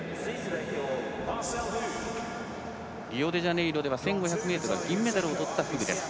リオデジャネイロでは１５００ｍは銀メダルを取ったフグです。